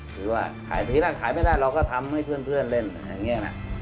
หรือว่าขายไม่ได้เราก็ทำให้เพื่อนเล่นอย่างนี้